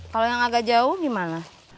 kalau yang agak jauh gimana